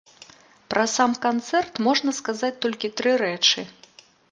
Пра сам канцэрт можна сказаць толькі тры рэчы.